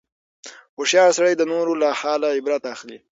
هوښیار سړی د نورو له حاله عبرت اخلي.